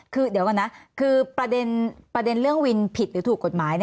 คือเดี๋ยวก่อนนะคือประเด็นเรื่องวินผิดหรือถูกกฎหมาย